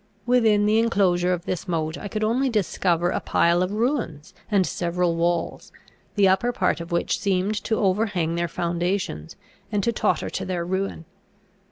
Within the enclosure of this moat, I could only discover a pile of ruins, and several walls, the upper part of which seemed to overhang their foundations, and to totter to their ruin.